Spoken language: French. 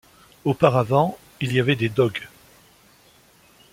Auparavant, il y avait des dogues.